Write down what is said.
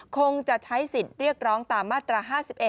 คงจะใช้สิทธิ์เรียกร้องตามมาตรา๕๑